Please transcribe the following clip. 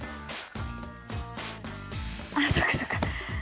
あそっかそっか。